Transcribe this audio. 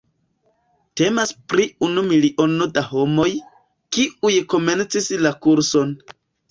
Temas pri unu miliono da homoj, kiuj komencis la kurson.